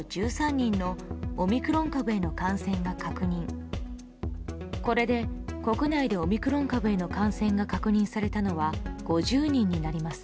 これで国内でオミクロン株への感染が確認されたのは５０人になります。